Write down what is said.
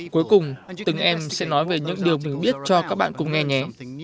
cuối cùng từng em sẽ nói về những điều mình biết cho các bạn cùng nghe nhé